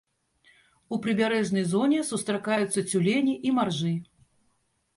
У прыбярэжнай зоне сустракаюцца цюлені і маржы.